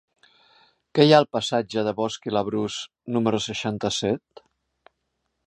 Què hi ha al passatge de Bosch i Labrús número seixanta-set?